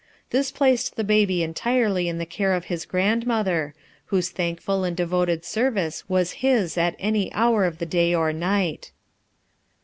This placed the baby entirely in the care of his grandmother whose thankful and devoted service was hia at any hour of the day or night.